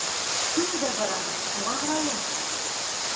Көн дә бараһың, шуға һорайым.